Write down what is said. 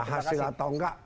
hasil atau enggak